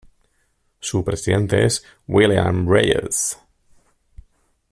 Su presidente es Williams Reyes.